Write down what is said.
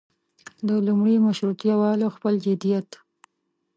د لومړي مشروطیه والو خپل جديت.